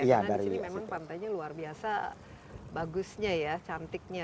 karena disini memang pantainya luar biasa bagusnya ya cantiknya